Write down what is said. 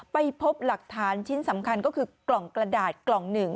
ไปพบหลักฐานชิ้นสำคัญก็คือกล่องกระดาษกล่องหนึ่ง